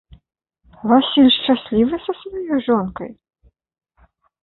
Васіль шчаслівы са сваёй жонкай?